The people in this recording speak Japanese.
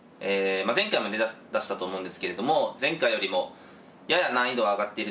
前回もね出したと思うんですけれども前回よりもやや難易度上がっていると思います。